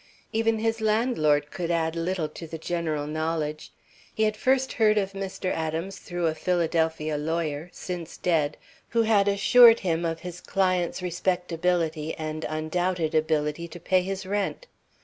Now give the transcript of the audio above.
Even his landlord could add little to the general knowledge. He had first heard of Mr. Adams through a Philadelphia lawyer, since dead, who had assured him of his client's respectability and undoubted ability to pay his rent.